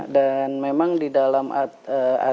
dan memang di dalam atasnya